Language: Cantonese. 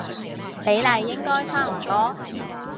比例應該差唔多